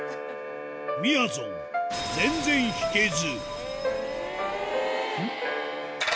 みやぞん、全然弾けず。